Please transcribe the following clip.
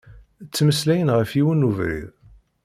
Ttmeslayen ɣef yiwen n ubrid.